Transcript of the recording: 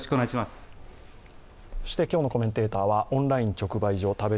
今日のコメンテーターはオンライン直売所・食べ